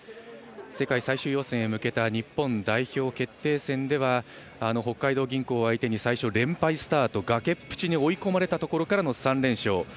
世界最終予選へ向けた日本代表決定戦では北海道銀行相手に最初、連敗スタート崖っぷちに追い込まれてからの３連勝。